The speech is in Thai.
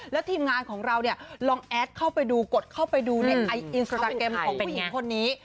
แล้วทีมงานของเราเนี่ยลองแอดเข้าไปดูกดเข้าไปดูในไออินสตาแกรมของผู้หญิงคนนี้